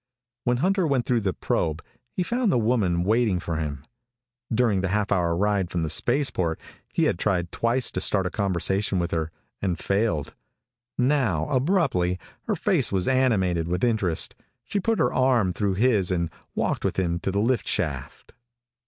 When Hunter went through the probe, he found the woman waiting for him. During the half hour ride from the spaceport, he had tried twice to start a conversation with her, and failed. Now, abruptly, her face was animated with interest. She put her arm through his and walked with him to the lift shaft.